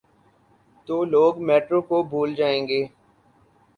تو لوگ میٹرو کو بھول جائیں گے۔